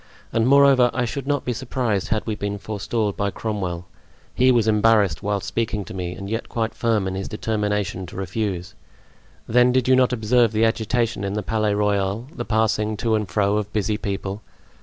And moreover, I should not be surprised had we been forestalled by Cromwell. He was embarrassed whilst speaking to me and yet quite firm in his determination to refuse. Then did you not observe the agitation in the Palais Royal, the passing to and fro of busy people?